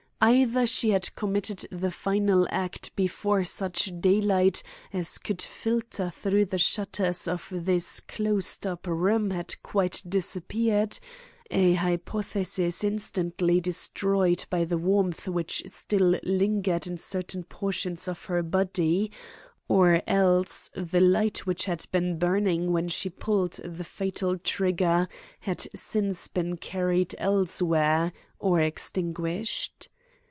Either she had committed the final act before such daylight as could filter through the shutters of this closed up room had quite disappeared,—an hypothesis instantly destroyed by the warmth which still lingered in certain portions of her body,—or else the light which had been burning when she pulled the fatal trigger had since been carried elsewhere or extinguished.